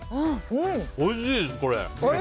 おいしいです、これ。